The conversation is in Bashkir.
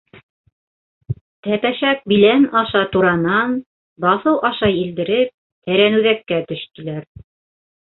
Тәпәшәк билән аша туранан, баҫыу аша елдереп, Тәрәнүҙәккә төштөләр.